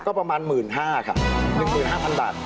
ก็ประมาณ๑๕๐๐บาทครับ๑๕๐๐บาท